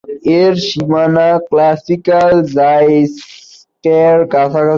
এর সীমানা ক্লাসিক্যাল জাইক্সের কাছাকাছি ছিল।